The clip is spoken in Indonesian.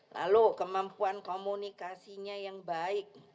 lalu kemampuan komunikasinya yang baik